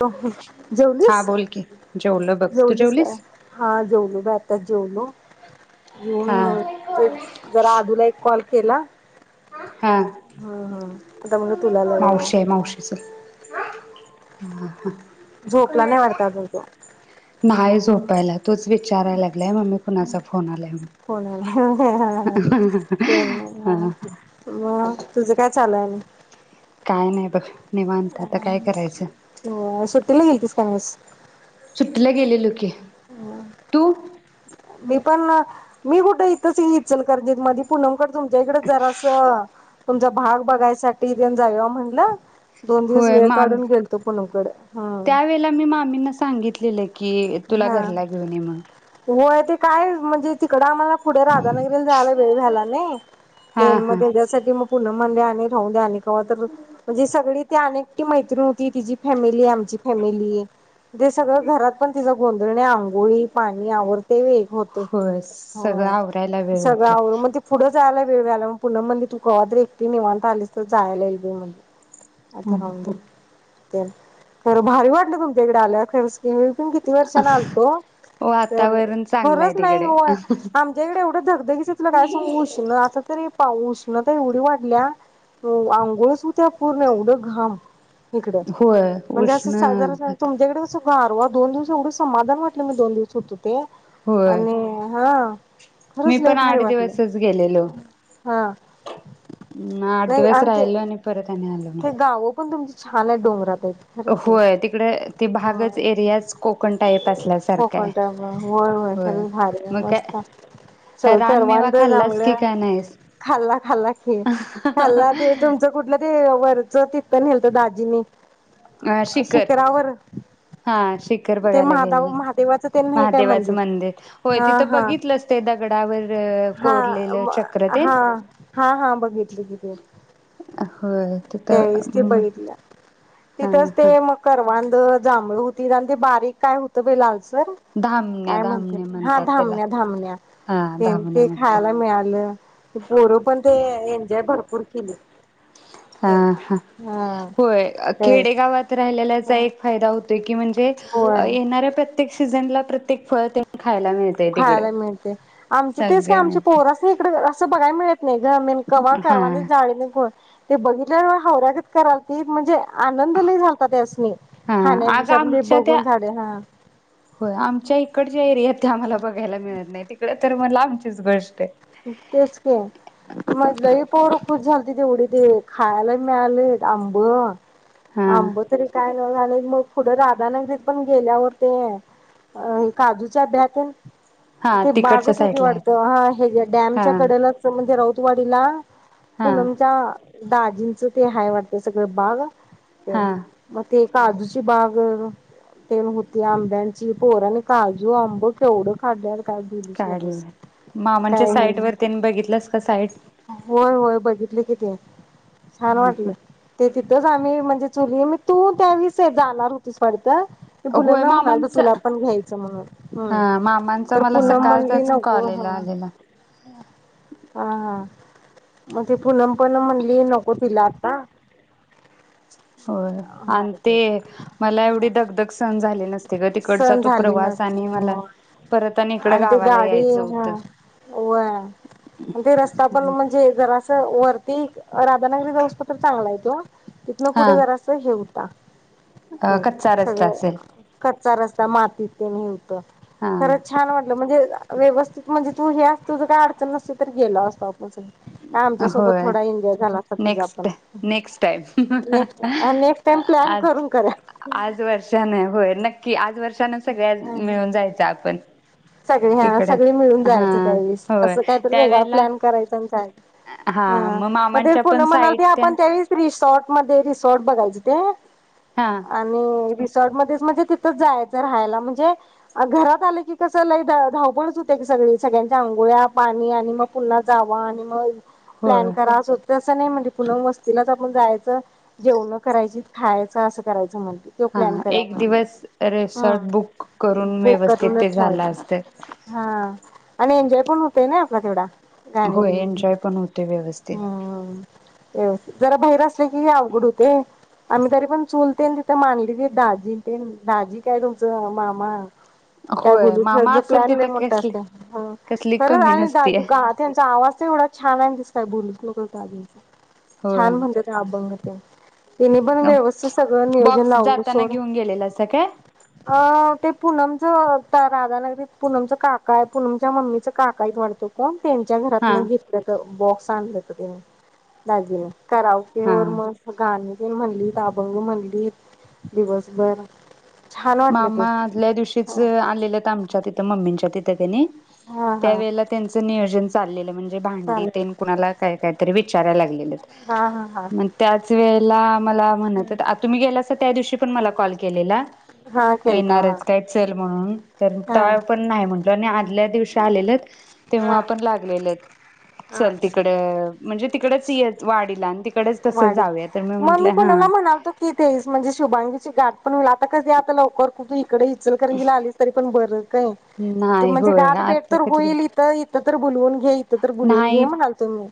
जेवलीस? हा बोल की जेवलं बघ तू जेवलीस काय? हा जेवलो बाई आताच जेवलो. हा जेऊन तेच जरा अदुला एक कॉल केला. हा हम हम आता म्हणल तुला लई वेळ हाय. हम्म ह झोपला नाही वाटत अजून त्यो नाही झोपायला. तोच विचारायला लागलाय मम्मी कोणाचा फोन आलाय म्हणून? हो हो हो हो ते म्हणून हा मग तुझं काय? चालू आहे आणि काय नाही बघ. निवांत आता काय करायचं हो सुट्टीला गेलतीस? पास सुटीला गेलेलो की. तू? मी पण मी कुठ इथच की इचलकरंजीत मधी पुनम कड तुमच्या इकड जरास तुमचा भाग बघायसाठी तेन जाऊया म्हणलं. दोन दिवस होय वेळ मामी काढून गेलतो पुणम कड. हम्म लिहलंय. कि तुला हा घरला घेऊन ये म होय ते काय म्हणजे तिकडं आम्हाला पुढे राधानगरी जायला वेळ झाला नई, हा ते मग हा त्याच्यासाठी मग पुणम म्हणल्या आणि राहू द्या आणिक तवा तर म्हणजे सगळी ते अनेकटी मैत [unintelligible] तिजी फॅमिली आमची फॅमिली ते सगळं घरात पण तिचा गोंधळण आणि आंघोळी, पाणी आवरतंय होय. होतंय होय सगळं होय आवरायला वेळ सगळ होतोय आवरुन मग ते पुढ जायला वेळ व्हायला मग पुन्हा म्हणली तू कवातरी एकटी निवांत आलीस तर जायला ईल बाई म्हण आता हम्म राहु हम्म दे. खरं भारी वाटलं तुमच्या इकडे आल्याव खरच कि मी किती वर्षान आलतो, तर वातावरण चांगलं आहे खरंच नाही तिकडे हो आमच्याकडे एवढं धगधगीच तुला काय सांगू उष्ण आता तरी अहो उष्णता एवढ्यी वाढल्या आंघोळच हुत्या पूर्ण एवढं घाम. इकडं होय म्हणजे असं उष्ण साधारण आता [unintelligible] दोन दिवस एवढं समाधान वाटलं, मी दोन दिवस होतो. ते होय आणि हा मी खरंच लय पण भारी आठ वाटलं दिवसच गेलेलो. हा. आठ दिवस राहिल आणि परत आणि आलो. तेे मग गाव पण तुमच छान हाय डोंगरात खरच हाय. होय तिकडे ते भागच होय एरियाच कोकण टाईप असल्यासारखा आहे कोकण टाईप हाय. होय, होय खरच भारी हाय, मग मस्त हाय. काय सगळ रानमेवा करवांद, खाल्लास की जांभळं काय नाहीस खाल्ला खाल्ला की खाल्ला ते तुमच कुठलं ते तिथं नेलत दाजीनी अ शिखर शिखरावर हा शिखर ते बघायला महादा गेलेलं. महादेवाचं ते नाही काय महादेवाचं मंदिर होय हा तिथं हा बघितलंच ते दगडावर कोरलेलं हा चक्र तेन हा हा हा बघितलं कि ते होय. त्यावेळेस ते तिथं बघितला. हा तिथंच ते हा मग करवांद त जांभळ होती आणि ते बारीक काय होतं बाई लालस तर धामण्या काय म्हणत्यात धामण्या हा म्हणतात त्याला धामण्या, धामण्या हा तेन धामण्या ते म्हणतात. खायला मिळालं. पोर पण ते एन्जॉय भरपूर केली. हा, हा. हा होय तेच खेडेगावात राहिलेल्याचा एक फायदा होतोय, की म्हणजे होय ये येणाऱ्या प्रत्येक सीझनला प्रत्येक फळ ते खायला मिळतय तिकडे. खायला मिळते आमचे तेच काय सगळ्या आमची मिळतय पोरासणी इकड बघाय मिळत नाही ग मन कवा हा करवंदी जाळीने ग ते बघितल्यावर हावऱ्यागत करालती म्हणजे आनंद लई झालता त्यासनी हा अगं खान्यापेक्षा पण ते आमच्या त्या बघून झाडे हा होय आमच्या इकडच्या एरियात इथे आम्हाला बघायला मिळत नाही तिकडे तर मग लामचीच गोष्ट आहे. तेच की म लई पोर खुश झालतीत एवढी ते खायला मिळालेत आंबं हा आंब तरी काय आणि मग पुढं राधानगरीत पण गेल्यावर ते अ काजूच्या ब्या [inaudible] हा ते तिकडच्या बागच होती साईडला आहे वाटत ते हा हे ज्यात हा डॅमच्या कडलाच तुमच्या राऊतवाडीला हा पूनमच्या दाजींच ते हाय वाटतं सगळं बाग ते हा म ते काजूची बाग तेन होती आंब्यांची पोरानी काजू आंब केवढं काढल्यानं काय बोलूच काढलं नकोस. मामांच्या काही हे साईट म वर तेन बघितलंस का साईट? होय होय बघितले कि ते छान वाटलं ते तित तेच आम्ही म्हणजे चुली म तू त्या वेळी जाणार होतीस वाडत. मी होय पुनमला म्हणालतो मामांचा तुला पण घ्यायचं म्हणून हूं हा मामांचा तर मला पुूनम म्हणली सकाळचाच नको हा कॉलेला आलेला हा हा म ते पुनम पण म्हणली नको तिला आता होय आणि ते मला एवढी धग धग सण झाली नसते ग तिकडचा सण तो झाली प्रवास नसते आणि मला परत होय इकडं आणि ते गावाला यायचं गाडीहा होतं व्हय आणि ते रस्ता पण म्हणजे जरा वरती राधानगरी जाऊस पत्रत चांगला आहे त्यो तितन पुुढे जरास हे हो [inaudible] अ कच्चा रस्ता असेल, कच्चा रस्ता मातीत नेवत खरं हा छान म्हटलं म्हणजे व्यवस्थित म्हणजे तू हे तुझ काय अडचण नसते, तर गेलो असत आपन का आमच्या सोबत होय थोडा एन्जॉय झाला असता तुझा पण next next time next next time plan आज करून करा की आज वर्ष सगळे हा तिकडे सगळे मिळून हा जायचं त्यावेळीस होय असं काय तर वेगळा त्यावेेळेला प्लॅन करायच. हा मग मामांच्या पण साईट त्या मदे रिसॉर्ट बघायची ते हा आणि र्ट मध्येच म्हणजे तिथं जाय राहायला म्हणजे घरात आले की कस धावपळच होते की सगळी सगळ्यांच्या आंघोळ्या पाणी आणि मग पुन्हा जावा आणि मग प्लॅन होय करायच होत असं नाही म्हणजे पुन्हा वस्तीला म जायचं जेवण करायची खायचं असं करायचं म्हण हा एक दिवस रे ह बुक करून बुक व्यवस्थित करूनच ते झाल ठेवायचं असते हा आणि एन्जॉय पण होतय ना आपला तेवढा, गाणी होय बिनी एन्जॉय पण होते व्यवस्थित हम्म जरा बाैर असले की अवघड होते आम्ही तरी पण चूलतेन तिथं मांडली त दाजी तेन दाजी काय तुमचं मामा काय होय बोलू मामा असेल प्लॅन ल तिथं मोठा कसली असते कसली खरंच कमी आणि नसतीय दू त्यांचा आवाज तर एवढा छान आहे दिस काय बोलूत नक तगीच छान होय म्हणतेत अभंग अ बॉक्स लावलं जाताना सोड. घेऊन गेलेलंसं काय? ते पूनमचं राधानगरीत पूनमचं काका आहे पूनमच्या मम्मीचं काका आहेत वरतो कोण त्यांच्या घरात हा घेतले ब सांगहोती दाजीना कराओके हा वर ते मग गाणे ते म्हणली अभंग म्हणली दिवसभर छान वाटलं ते मामा आदल्या दिवशीच आलेल्यात अ आमच्या तिथं मम्मींच्या तिथं तेतेनी हा त्या हा वळेला त्यांच नियोजन चाललेलं म्हणजे भांडी चालेल ते कुणाला काय कायतरी विचारा लागील. अलेलेत हा हा हा मंग त्याच वेळत ला मला म्हणतोत्या. आत तुम्ही गेल्यास च त्या दिवशी पण मला कॉल केलेला. हा केलता हा येणारेच काय चल म्हणून, तर हा ताय पण नाही म्हण त्यानी आदल्या दिवशी आलेलेत. तेव्हां हा आपण लागलेलेत. चल तिकडं म्हणजे तिकडच येच वाडीला आणि तिकडच तसं वाडीत, जाऊया तर म मी म्हंटलं हा कोणाला म्हणालतो की ते म्हणजे शुभांगीची गाठ पण लाग ता कसी आता लवकर कुठे ये इकडे इचलकरंजीला आलीस तरी पण बरं काय. त नाही म्हणजे होय गाठभेट आता तर कधी होईल भेट इतं, इतं तर बोलवून घे ते तर बोलवून घे नाही म्हणालतो मी.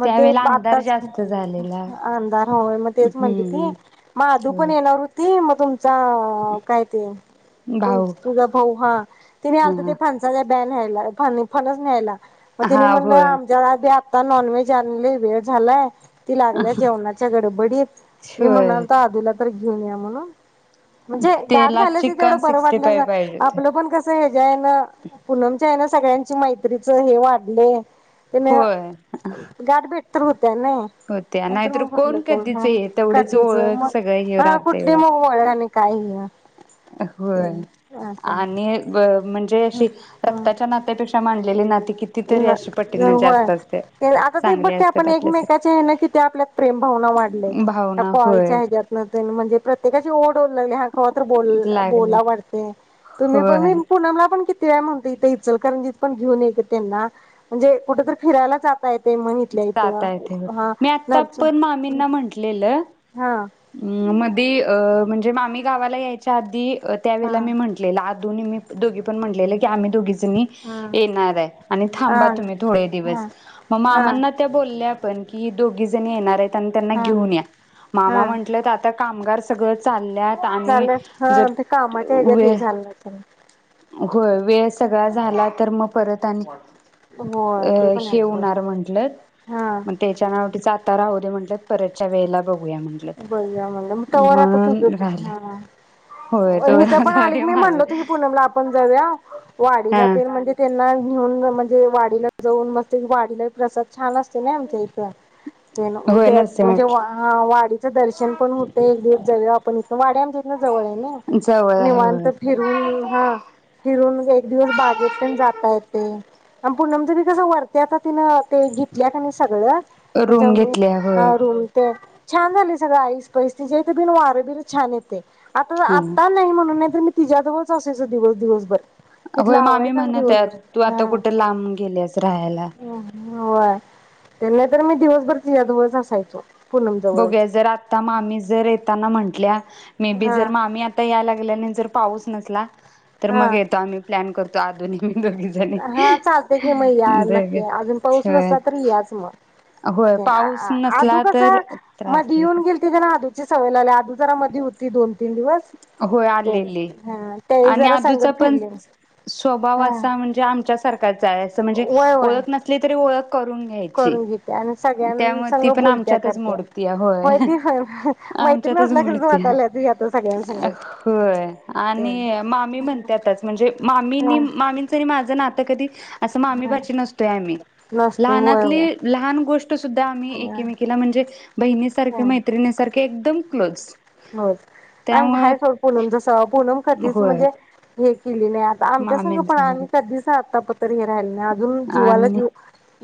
मंग ते त्यावेेळेला बा अंधार आत्ताच, जास्त झालेला अंधार होय म तेच म्हणते हम्म ती माधू पण होय येणार होती. ये मतुम चा काय ते भाऊ तुझा भाऊ हां, ते मी आलते ते हा फणसाया ब्या न्ह्यायला, अं का नी फणस न्ह्यायला. म ते मी हा म्हणलं होय आमच्या [unintelligible] ता नॉनवेज चाल्ली, वेळ झाला. ती लागल्या जेवणाच्या गडबडीत, मी होय म्हणालतो आदुला तर गेऊन या म्हणून. म्हणजे, गाठ त्याला झाल्यास चिकन तेवढं बरं सिक्स्टी वाटलं फाय स. पाहिजे होते आपलं पण कसं हेज्यानं, पूनमच्या हे नं सगळ्यांची मैत्रीचं हे वाढले. होय बेटतं भौ त्या नाही, होत्या नाहीतर म कुठलं कोण चव कधीच हां. ये तेवढीच कधीचं ओळख मग, सगळं हे हां राहते कुठली मग वळन आणि ह्य. होय, आणि ब म्हणजे हा अशी रक्ताच्या नात्यापेक्षा मानलेली नाती कितीतरी ना अशी ना पटीनं होय, जास्त असते आता ते बघ चांगले की आपण असतात आपल्यासाठी एकमेकाच्या हेनं किती आपल्यात प्रेम भावना वाढलंय. त्या भावना होय कॉलच्या हेज्यातनं तेन म्हणजे प्रत्येकाची ओ तो लेल्या हाव कवातर बोल लागले बोला वाटतंय. तूम्ही पण मी होय पूनम ला पण कीत तये म्हणते इतं इचलकरंजीत पण घेऊन ये तेना, म्हणजे कुटं तर फिरायला जात ता येते म्हणू इतल्या इतं आं. जाता येते हां मी आता नरच हां अम् मधीअ म्हणजे माम्मी गावाला यायच्या आधी हा त्यावेेळेला मी म्हटलेला आत दोही मी दोघी पण म्हंटलेल्या आम्ही दोघी जणी हा येणार हाय आणि थांबा हा तुम्ही थोडे हा दिवस मग हा मामांना त्या बोल्या पण की दोघीजणी येणारेत. पण त्यांना हा घेऊन या मा मा हा म्हटलं आ कामगार सगळ चाल्यात आणि चालेल हा जर ते कामाच्या ह्याच्यात हे वेळ झालं असेल. होय. वेळ सगळा हा झाला तर म परत आणि होय अ ते पण आहे हे सोड होणार म्हटलत हा मग त्याच्या नावटीचा आता राहूदे म्हट परतच्या वेळेला बघूया म्हटलंत ब म्हणलं मग तवर आता तुझ म्हणून पण राहिलय हा होय तो हित पण आली आहे मी म्हणल माझं होत की पुणमला आपण जाऊया हा वाडीला ते म्हणजे त्यांना घेऊनण ते वाडीला जाऊन मस्त वाडीला प्रसाद छान अस चला आमच्या इथ तेनं होय दे अ म्हणजे हा नरसिंहवाट वा वाडीत दर्शन पण होते एक दिवस जाऊया आपण इथ वाडी आमच्या इथन जवळ आहे ना जवळ आहे निवांत होय फिरून हा फिरून एक दिवस बागेत पण जाता येते. आणि पूनमच कसं वरत्या आता तिन ते घेतल्या का ना सगळं रूम घेतली [unintelligible] होय हा रूम ते छान झाले. सगं आईस पैस तिज्याइथं बिन वारे बिर छान येतय. आता हा आत्ता नाही म्हणून तर मी तिज्याजवळच असायच दिवस दिवसभर तिथला होय मामी आवरायचा आणि म्हणत्यात तू दिवसभर आता कुठे हा लांब गेलीयास राहायला. होय त्यांना तर मी दिवसभरची तिच्या जवळ असायचो. पूनम जवळच त्या मामी जर येताना म्हंटल्या मे बी हा जर मामी आता यायला लागल्या नी जर पाऊस नसला. तर हा मग येतो आम्ही प्लॅन कर दादु नी मी दोघी जणी हा चालतयं की मग या नक्की दोघे या अजून पाऊस होय नसला तरी याच म होय पाऊस आदू नसला कसा तर त्रास मधी येऊन गेलते का नाय आदू जसा व्हायलेला आदू जरा मधी होती दोन तीन दिवस होय ते आलेली हा त्यावेळी आणि जरा आदूचा संगट पण फिरले स्वभाव हा असा म्हणजे आ च्यासारखं अस म्हणजे वय वय ओळख नसली तरी ओळख करून घ्यायची. करून घेत्या आणि त्यामुळे सगळ्यासंग ती पण बोलत्या आमच्यातच करत्या मोडतीया होय की होय मैत्रीण आमच्यातच नसल्या कस मोडतीया. वाटाला सगळ, होय आणि अ मामी म्हणत्यातच म्हणजे मामीनी हा मामीच अन माझ नात कधीच अस मामी हा -भाची नसतोय आम्ही नसते होय लहानातले होय लहान गोष्ट आता सुद्धा आम्ही हा एकमेकीला म्हणजे बहिणीसारखे, मैत्रिणीसारखे एकदम क्लोज हो आम्ही त्यामुळे हाय पण पूनम जसं पूनम कधीच होय म्हणजे हम केली नाही आता आमच्या संग मामींच पण, होय आम्ही कधी आतापर्यंत तरी हे राहिलेल्या नात म्हणून जीवाला आणि जीव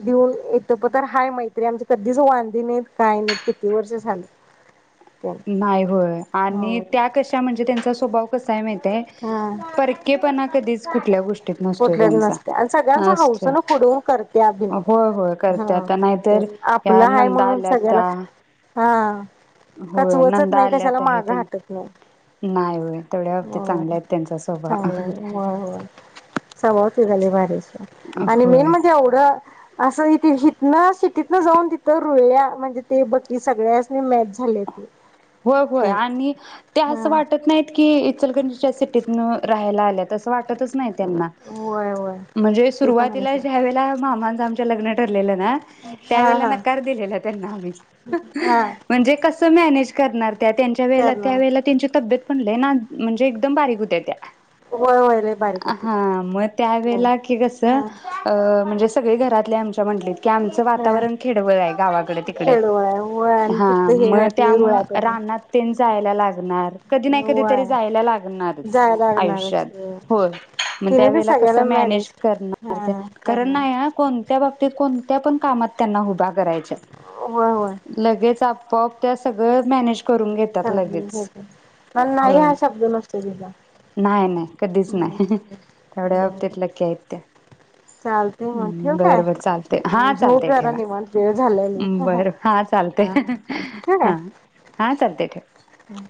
देऊन येतं पतर हय मैत्री आमची कधीच वांधी नाहीत, काय नाहीत किती वर्ष झालं. [unintelligible] नाही हो आणि त्या कशा म्हणजे त्यांचा स्वभाव साय माही ते हा परके पणा कधी कुठलेच नसते आणि सगळ्यांचा असतोय हौसन पुढं होऊन करते या बी होय होय करते हा आता ते नाहीतर आपलं या आहे नंदा म्हणून आल्या सगळ्याला त्या हां होय नंदा आल्यात आहे नाही होय तेवढ्या हती होय चांगल्या आहेत त्यांचा स्वभाव चांगलं होय होय स्वभाव तिचा लय भारी आणि मेन होय म्हणजे एवढं असं इथ ना सिटी ना जाऊन तिथं रुळया म्हणजे ते बकी सगळ्यासनी मॅच झाले ती होय होय ते आणि ते अस हा वाटत नाही की इचलकरंजी त्या सिटी तून राहायला आल्या असं वाटतच नाही त्यांना होय होय म्हणजे, ते पण आहे सुरवातीला सोड आमच्या मामा चे लग्न ठरले ना त्या हा वेळेला हा नकार दिलेला त्यांना आम्ही हा म्हणजे कस मॅनेज करणार? त्या त्यांच्या वेळेला त्या करणार वेळेला त्यांची तब्येत पणलई नाद म्हणजे एकदम बारीक होत्या त्या. होय होय लय बारीक होती हा मग त्यावेळेला की कस अ हा म्हणजे सगळी घरातल्या आमच्या म्हटलीत की आमचं हा वातावरण खेडवळ हाय. गावाकड तिकड खेडोळ आहे होय आणि हा तिथं हे मग व्हाय पाहिजे रुळ व्हाय त्यामुळं पाहिजे रानात तेन जाय लागणार कधी नाही कधी होय. तरी जायला लागणारच जाय लागणारच आयुष्यात की होय म तिने बी त्यावेळेला कस सगळ्याला मॅनेज करणार त्या हा करत करणार नाही हा कोणत्याबबतीत कोणत्या पण कामात त्यांना हुभा करायच्या होय होय लगेच आप पप त्या सगळ मॅनेज करून घेतात लगेच कर पण हो. नाही हा शब्द नसतो तिला नाही नाही कधीच नाही तेवढ्या बर बाबतीत लकी् आहेत त्या चालते मग ठेव बर बर काय चालते हा झोप चालते जरा ठेवा निवांत वेळ झालेली. हा बर हा चालते. चालतंय हा हा चालतय. ते ठेव. हम्